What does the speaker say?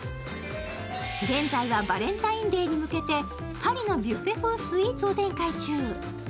現在はバレンタインデーに向けて、パリのビュッフェ風スイーツ・フェスを展開中。